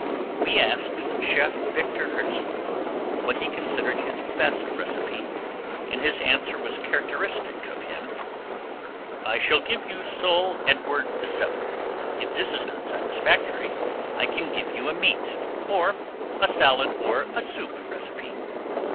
We asked Chef Victor Hertzler what he considered his best recipe and his answer was characteristic of him. "I shall give you Sole Edward VII. If this is not satisfactory I can give you a meat, or a salad or a soup recipe."